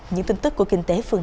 những tin tức của kinh tế